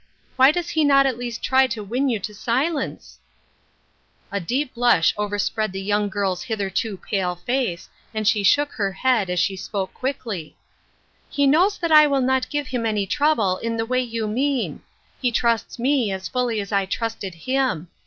Why does he not at least try to win you to silence ?" A deep blush overspread the young girl's hitherto pale face, and she shook her head, as she spoke quickly :—" He knows that I will not give him any trouble in the way you mean ; he trusts me as fully as I trusted him.